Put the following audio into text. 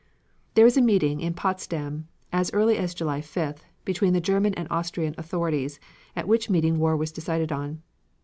There was a meeting in Potsdam, as early as July 5th, between the German and Austrian authorities, at which meeting war was decided on.